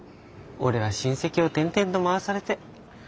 俺は親戚を転々と回されて。